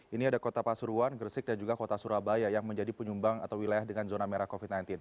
ini ada kota pasuruan gresik dan juga kota surabaya yang menjadi penyumbang atau wilayah dengan zona merah covid sembilan belas